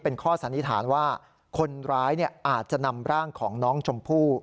เป็นข้อสันนิษฐานว่าคนร้ายอาจจะนำร่างของน้องชมพู่